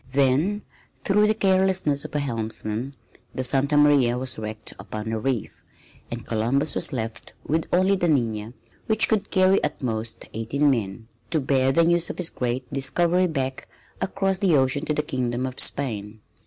Then, through the carelessness of a helmsman, the Santa Maria was wrecked upon a reef, and Columbus was left with only the Nina, which could carry at most eighteen men, to bear the news of his great discovery back across the ocean to the Kingdom of Spain.